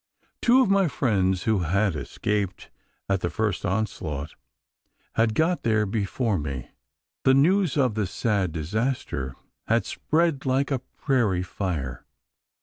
Two of my friends, who had escaped at the first onslaught, had got there before me. The news of the sad disaster had spread like a prairie fire.